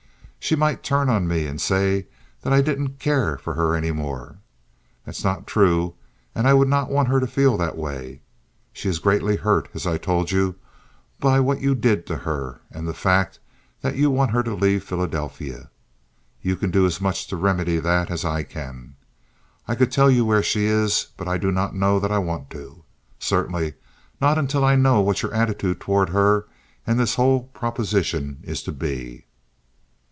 She might turn on me and say that I didn't care for her any more. That is not true, and I would not want her to feel that way. She is greatly hurt, as I told you, by what you did to her, and the fact that you want her to leave Philadelphia. You can do as much to remedy that as I can. I could tell you where she is, but I do not know that I want to. Certainly not until I know what your attitude toward her and this whole proposition is to be."